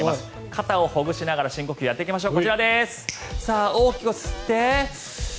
肩をほぐしながら深呼吸やっていきましょう。